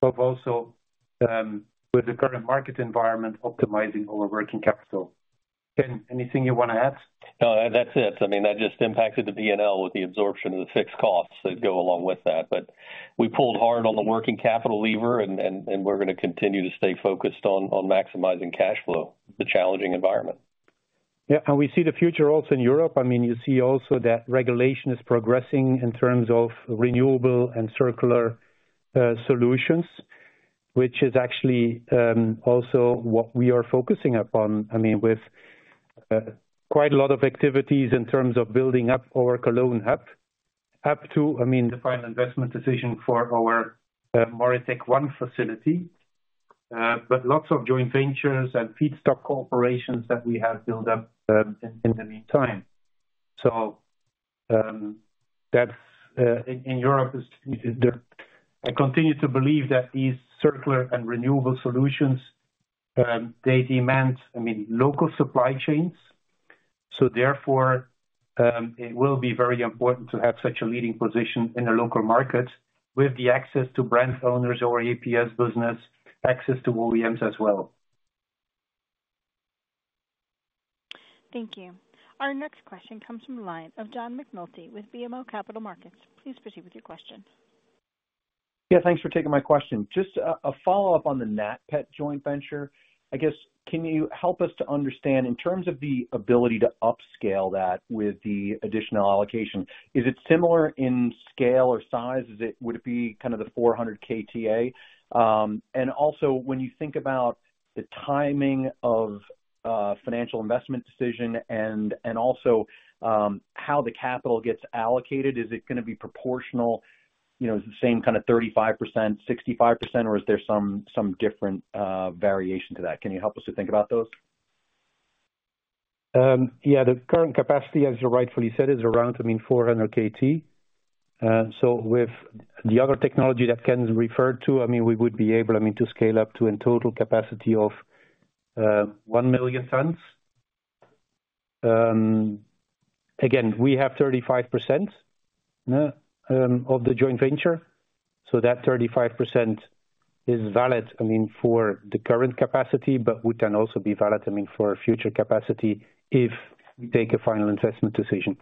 of also, with the current market environment, optimizing our working capital. Ken, anything you want to add? No, that's it. I mean, that just impacted the P&L with the absorption of the fixed costs that go along with that. But we pulled hard on the working capital lever, and we're going to continue to stay focused on maximizing cash flow, the challenging environment. Yeah, and we see the future also in Europe. I mean, you see also that regulation is progressing in terms of renewable and circular solutions, which is actually also what we are focusing upon. I mean, with quite a lot of activities in terms of building up our Cologne hub, up to, I mean, the final investment decision for our MoReTec-1 facility, but lots of joint ventures and feedstock cooperations that we have built up in the meantime. So, that's in Europe is the. I continue to believe that these circular and renewable solutions they demand, I mean, local supply chains, so therefore it will be very important to have such a leading position in the local market with the access to brand owners or APS business, access to OEMs as well. Thank you. Our next question comes from the line of John McNulty with BMO Capital Markets. Please proceed with your question. Yeah, thanks for taking my question. Just a follow-up on the NATPET joint venture. I guess, can you help us to understand, in terms of the ability to upscale that with the additional allocation, is it similar in scale or size? Is it, would it be kind of the 400 KTA? And also when you think about the timing of financial investment decision and also how the capital gets allocated, is it gonna be proportional? You know, is it the same kind of 35%, 65%, or is there some different variation to that? Can you help us to think about those? Yeah, the current capacity, as you rightfully said, is around, I mean, 400 KT. So with the other technology that Ken referred to, I mean, we would be able, I mean, to scale up to a total capacity of 1 million tons. Again, we have 35% of the joint venture, so that 35% is valid, I mean, for the current capacity, but we can also be valid, I mean, for future capacity if we take a final investment decision.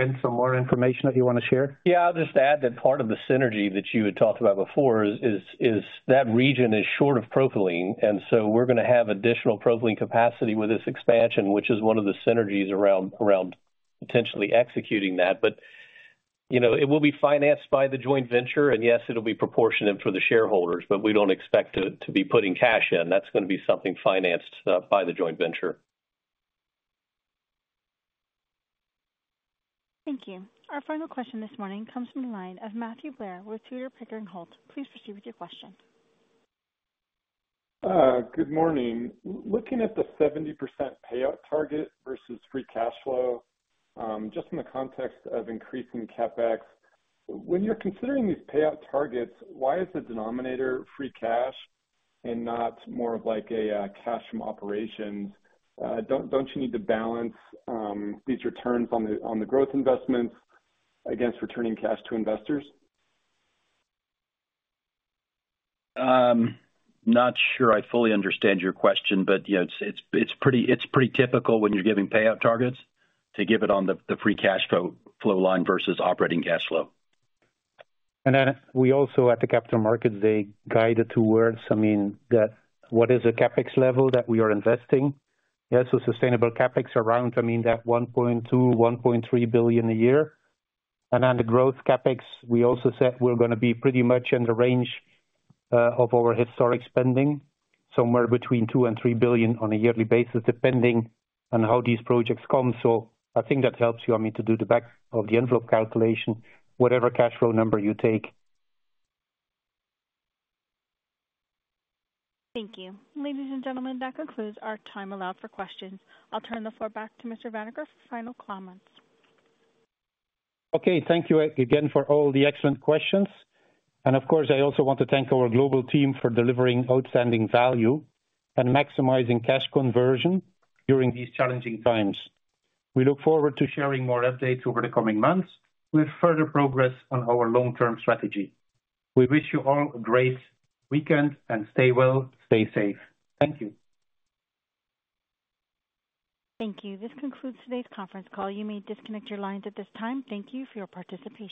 Ken, some more information that you want to share? Yeah, I'll just add that part of the synergy that you had talked about before is that region is short of propylene, and so we're gonna have additional propylene capacity with this expansion, which is one of the synergies around potentially executing that. But, you know, it will be financed by the joint venture, and yes, it'll be proportionate for the shareholders, but we don't expect to be putting cash in. That's gonna be something financed by the joint venture. Thank you. Our final question this morning comes from the line of Matthew Blair with Tudor, Pickering, Holt. Please proceed with your question. Good morning. Looking at the 70% payout target versus free cash flow, just in the context of increasing CapEx, when you're considering these payout targets, why is the denominator free cash and not more of like a cash from operations? Don't you need to balance these returns on the growth investments against returning cash to investors? Not sure I fully understand your question, but, you know, it's pretty typical when you're giving payout targets to give it on the free cash flow line versus operating cash flow. And then we also, at the capital markets day, guide the two words, I mean, that what is the CapEx level that we are investing? Yeah, so sustainable CapEx around, I mean, $1.2, $1.3 billion a year. And on the growth CapEx, we also said we're gonna be pretty much in the range of our historic spending, somewhere between $2 billion-$3 billion on a yearly basis, depending on how these projects come. So I think that helps you, I mean, to do the back of the envelope calculation, whatever cash flow number you take. Thank you. Ladies and gentlemen, that concludes our time allowed for questions. I'll turn the floor back to Mr. Vanacker for final comments. Okay, thank you again for all the excellent questions. Of course, I also want to thank our global team for delivering outstanding value and maximizing cash conversion during these challenging times. We look forward to sharing more updates over the coming months with further progress on our long-term strategy. We wish you all a great weekend, and stay well, stay safe. Thank you. Thank you. This concludes today's conference call. You may disconnect your lines at this time. Thank you for your participation. SPEAKER VERIFY